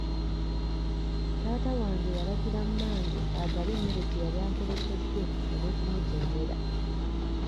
Taata wange yalagira mmange agabe emmere gye yali anterekedde olw'okumujeemera.